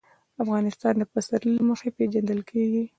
افغانستان د پسرلی له مخې پېژندل کېږي.